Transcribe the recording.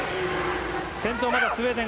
先頭はまだスウェーデン。